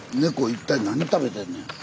一体何食べてんねんやろ？